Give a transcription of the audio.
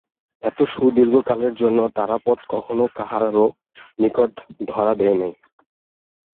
এত সুদীর্ঘকালের জন্য তারাপদ কখনো কাহারো নিকট ধরা দেয় নাই।